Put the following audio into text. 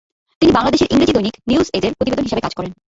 তিনি বাংলাদেশের ইংরেজি দৈনিক নিউজ এজ -এর প্রতিবেদক হিসেবে কাজ করেন।